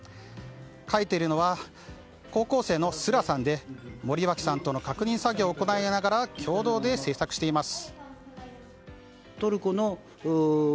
描いているのは高校生のスラさんで森脇さんとの確認作業を行いながら共同で制作しています。